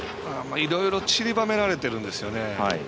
いろいろちりばめられてるんですよね。